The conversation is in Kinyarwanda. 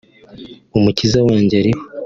’Umukiza wanjye ariho’